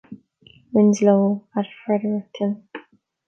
Winslow at Fredericton.